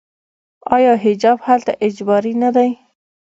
آیا حجاب هلته اجباري نه دی؟